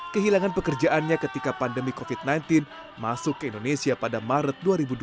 kehilangan pekerjaannya ketika pandemi covid sembilan belas masuk ke indonesia pada maret dua ribu dua puluh